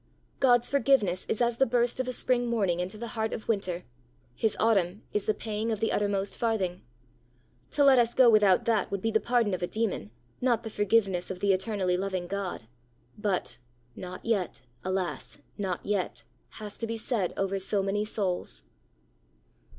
God's forgiveness is as the burst of a spring morning into the heart of winter. His autumn is the paying of the uttermost farthing. To let us go without that would be the pardon of a demon, not the forgiveness of the eternally loving God. But Not yet, alas, not yet! has to be said over so many souls!